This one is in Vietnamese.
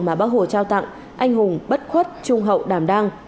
mà bác hồ trao tặng anh hùng bất khuất trung hậu đảm đăng